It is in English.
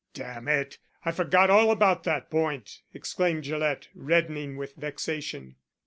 "Damn it! I forgot all about that point," exclaimed Gillett, reddening with vexation.